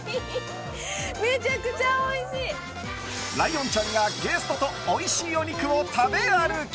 ライオンちゃんがゲストとおいしいお肉を食べ歩き。